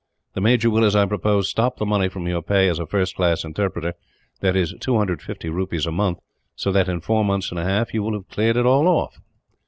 The major will, as I proposed, stop the money from your pay as a first class interpreter that is, two hundred and fifty rupees a month so that, in four months and a half, you will have cleared it off."